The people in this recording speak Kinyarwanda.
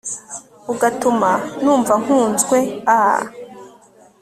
ugatuma numva nkunzwe aaaah